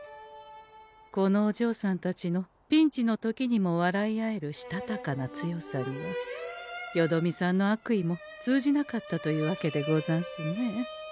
このおじょうさんたちのピンチの時にも笑い合えるしたたかな強さにはよどみさんの悪意も通じなかったというわけでござんすね。